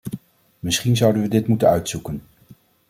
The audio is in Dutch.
Misschien zouden we dit moeten uitzoeken.